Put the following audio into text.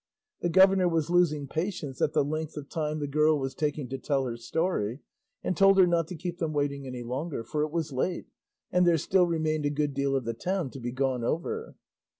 The governor was losing patience at the length of time the girl was taking to tell her story, and told her not to keep them waiting any longer; for it was late, and there still remained a good deal of the town to be gone over.